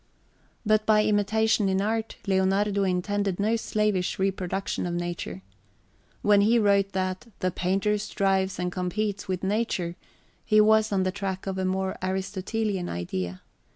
But by imitation in art, Leonardo intended no slavish reproduction of nature. When he wrote that "the painter strives and competes with nature," he was on the track of a more Aristotelian idea.